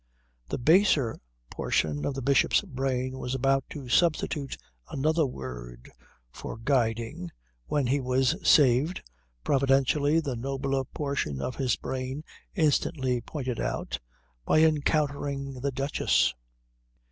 The baser portion of the Bishop's brain was about to substitute another word for guiding when he was saved providentially, the nobler portion of his brain instantly pointed out by encountering the Duchess.